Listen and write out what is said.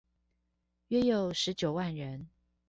約有十九萬人